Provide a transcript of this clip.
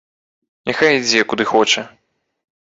Няхай ідзе, куды хоча.